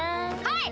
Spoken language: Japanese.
はい！